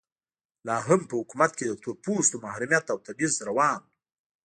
لا هم په حکومت کې د تور پوستو محرومیت او تبعیض روان و.